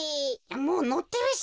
もうのってるし。